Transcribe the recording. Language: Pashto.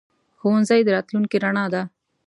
ښوونځی د راتلونکي رڼا ده.